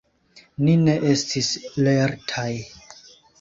Ni ne estis lertaj.